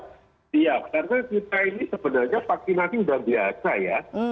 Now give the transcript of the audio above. karena kita ini sebenarnya vaksinasi sudah biasa ya